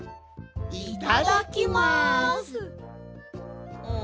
いただきます！